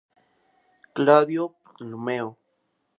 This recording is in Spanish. Claudio Ptolomeo